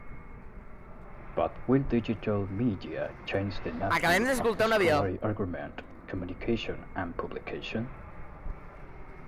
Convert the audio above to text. But will digital media change the nature of scholarly argument, communication, and publication?